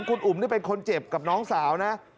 คุณอุ๋มเป็นคนเจ็บกับน้องสาวนะครับ